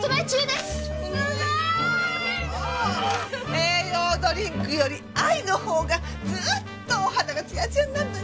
栄養ドリンクより愛のほうがずーっとお肌がツヤツヤになるのにね。